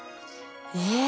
え！